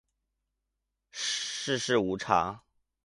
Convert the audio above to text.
世事无常